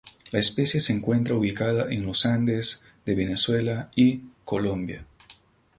La especie se encuentra ubicada en los Andes de Venezuela y Colombia.